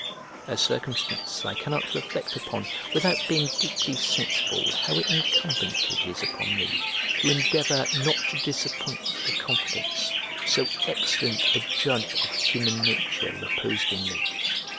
A circumstance I cannot reflect upon without being deeply sensible how incumbent it is upon me to endeavour not to disappoint the confidence so excellent a judge of human nature reposed in me.